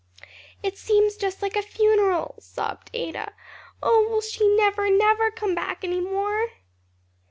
"It seems just like a funeral!" sobbed Ada, "oh, will she never, never come back any more!"